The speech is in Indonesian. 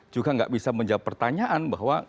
juga nggak bisa menjawab pertanyaan bahwa